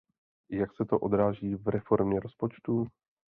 Jak se to odráží v reformě rozpočtu?